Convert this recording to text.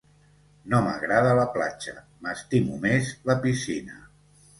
No m'agrada la platja, m'estimo més la piscina.